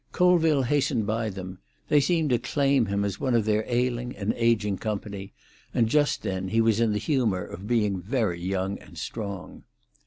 Colville hastened by them; they seemed to claim him as one of their ailing and aging company, and just then he was in the humour of being very young and strong.